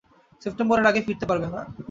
সেপ্টেম্বরের আগে ফিরতে পারবে না।